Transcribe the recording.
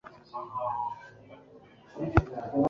Ntabwo yigeze iba Amerika kuri njye.